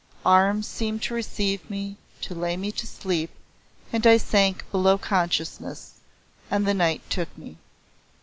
Arms seemed to receive me to lay me to sleep and I sank below consciousness, and the night took me.